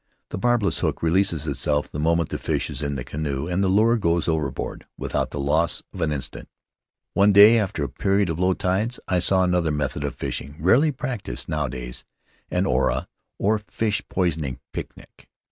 The barbless hook releases itself the moment the fish is in the canoe, and the lure goes overboard without the loss of an instant. "One day, after a period of low tides, I saw another method of fishing — rarely practised nowadays — an ora, or fish poisoning picnic.